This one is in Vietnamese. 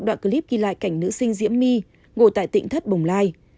đoạn clip ghi lại cảnh nữ sinh diễm my ngủ tại tỉnh thất bồng lai